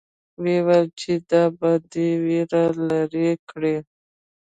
ويل يې چې دا به دې وېره لري کړي.